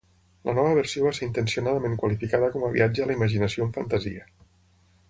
La nova versió va ser intencionadament qualificada com a viatge a la imaginació amb fantasia.